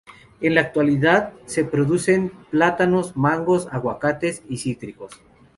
En la actualidad, se producen plátanos, mangos, aguacates, y cítricos.